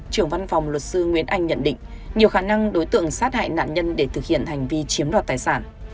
trưởng văn phòng luật sư nguyễn anh nhận định nhiều khả năng đối tượng sát hại nạn nhân để thực hiện hành vi chiếm đoạt tài sản